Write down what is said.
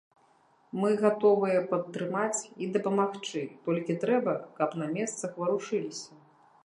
Мы гатовыя падтрымаць і дапамагчы, толькі трэба, каб на месцах варушыліся.